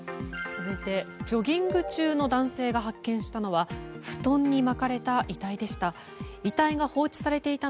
続いて、ジョギング中の男性が発見したのは布団に巻かれた遺体でした。